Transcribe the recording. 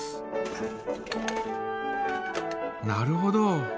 なるほど。